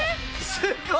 すごい！」